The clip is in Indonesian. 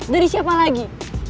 dari siapa lagi